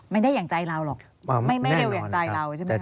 อย่างใจเราหรอกไม่เร็วอย่างใจเราใช่ไหมค